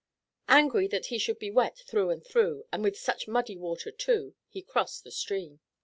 Angry that he should be wet through and through, and with such muddy water too, he crossed the stream.